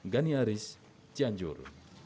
gani haris cianjur